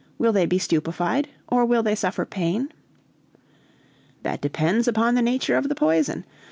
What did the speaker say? Will they be stupefied, or will they suffer pain?" "That depends upon the nature of the poison.